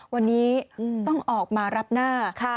วันนี้ต้องออกมารับหน้า